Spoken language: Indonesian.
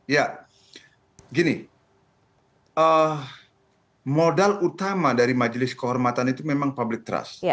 ya gini modal utama dari majelis kehormatan itu memang public trust